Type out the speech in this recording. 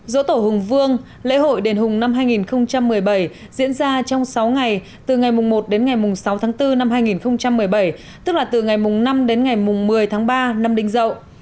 dỗ tổ hùng vương lễ hội đền hùng năm hai nghìn một mươi bảy diễn ra trong sáu ngày từ ngày một đến ngày sáu tháng bốn năm hai nghìn một mươi bảy tức là từ ngày năm đến ngày một mươi tháng ba năm đinh dậu